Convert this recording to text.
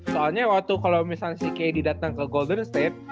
soalnya kalo misalnya si kd datang ke golden state